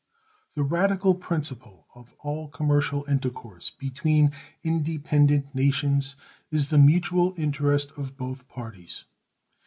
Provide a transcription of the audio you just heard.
The radical principle of all commercial intercourse between independent nations is the mutual interest of both parties.